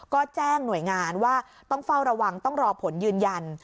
ก็แจ้งหน่วยงานว่าต้องเฝ้าระวังต้องรอผลยืนยัน